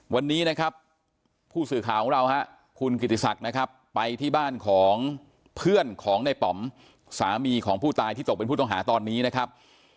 วันนี้นะครับผู้สื่อข่าวของเราคุณกิติศักดิ์นะครับไปที่บ้านของเพื่อนของในป๋อมสามีของผู้ตายที่ตกเป็นผู้ต้องหาตอนนี้นะครับ